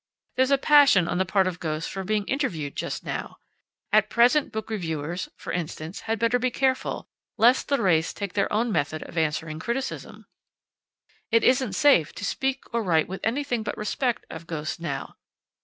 There's a passion on the part of ghosts for being interviewed just now. At present book reviewers, for instance, had better be careful, lest the wraiths take their own method of answering criticism. It isn't safe to speak or write with anything but respect of ghosts now.